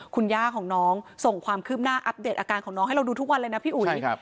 คุณย่าของน้องส่งความคืบหน้าอัปเดตอาการของน้องให้เราดูทุกวันเลยนะพี่อุ๋ย